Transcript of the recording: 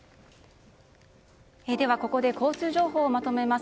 ではここで交通情報をまとめます。